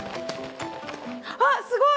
あっすごい！